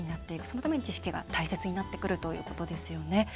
そのために知識が大切になってくるということですよね。